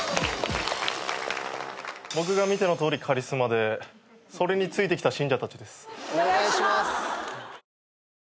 僕が見てのとおりカリスマでそれについてきた信者たちです。